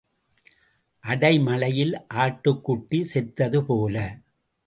அடை மழையில் ஆட்டுக்குட்டி செத்தது போல.